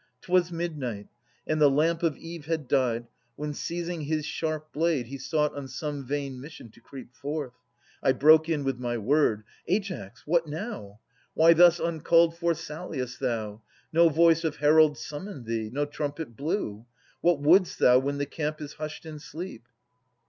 'Twas midnight, and the lamp Of eve had died, when, seizing his sharp blade, He sought on some vain mission to creep forth. I broke in with my word :' Aias, what now ? Why thus uncalled for salliest thou? No voice Of herald summoned thee. No trumpet blew. What wouldst thou when the camp is hushed in sleep